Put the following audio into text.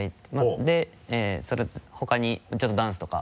営業！でその他にちょっとダンスとか。